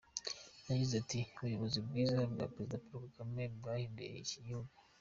Yagize ati” Ubuyobozi bwiza bwa Perezida Paul Kagame bwahinduye iki gihugu.